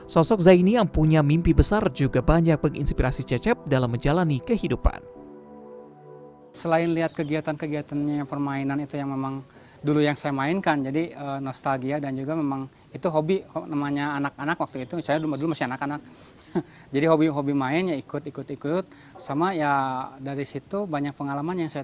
sosok zaini yang punya mimpi besar juga banyak menginspirasi cecep dalam menjalani kehidupan